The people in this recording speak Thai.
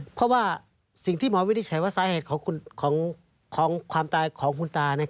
เพราะว่าสิ่งที่หมอวินิจฉัยว่าสาเหตุของคุณตาเนี่ย